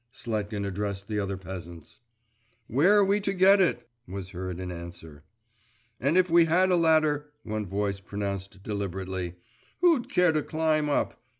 Sletkin addressed the other peasants. 'Where are we to get it?' was heard in answer. 'And if we had a ladder,' one voice pronounced deliberately, 'who'd care to climb up?